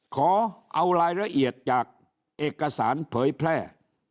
ขอเอารายละเอียดจากเอกสารเผยแพร่